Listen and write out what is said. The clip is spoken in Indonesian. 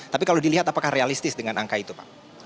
tapi kalau dilihat apakah realistis dengan angka itu pak